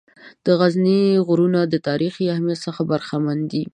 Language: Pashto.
د غزني غرونه د تاریخي اهمیّت څخه برخمن دي.